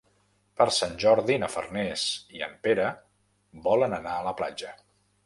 Per Sant Jordi na Farners i en Pere volen anar a la platja.